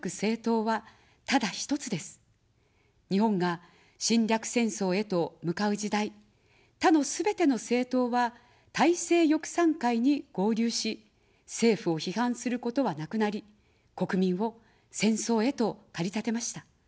日本が侵略戦争へと向かう時代、他のすべての政党は大政翼賛会に合流し、政府を批判することはなくなり、国民を戦争へと駆り立てました。